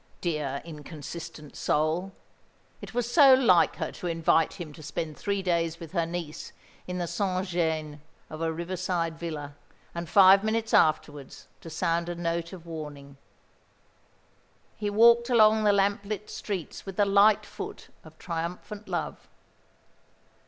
Dear, inconsistent soul! It was so like her to invite him to spend three days with her niece in the sans gêne of a riverside villa, and five minutes afterwards to sound a note of warning. He walked along the lamp lit streets with the light foot of triumphant love.